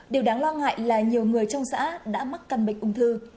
điều đáng lo ngại là nhiều người trong xã đã mắc căn bệnh ung thư